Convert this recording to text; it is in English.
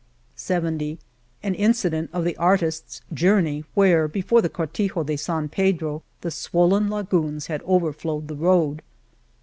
^ An incident of the artisfs journey where, before the Cortijo de San Pedro, the swollen lagoons had over flowed the road